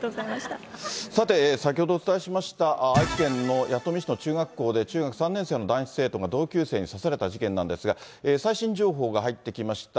さて、先ほどお伝えしました愛知県の弥富市の中学校で、中学３年生の男子生徒が同級生に刺された事件なんですが、最新情報が入ってきました。